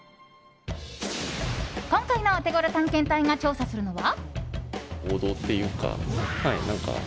今回のオテゴロ探検隊が調査するのは。